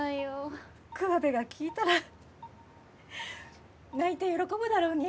桑部が聞いたら泣いて喜ぶだろうに。